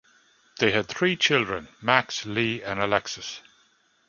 They had three children: Max, Lee and Alexis.